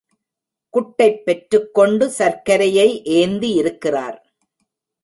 குட்டைப் பெற்றுக் கொண்டு சர்க்கரையை ஏந்தியிருக்கிறார்.